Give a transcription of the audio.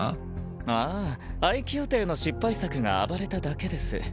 ああ廃棄予定の失敗作が暴れただけです。